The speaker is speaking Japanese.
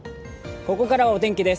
ここからはお天気です。